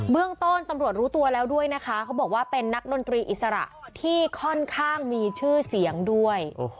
เรื่องต้นตำรวจรู้ตัวแล้วด้วยนะคะเขาบอกว่าเป็นนักดนตรีอิสระที่ค่อนข้างมีชื่อเสียงด้วย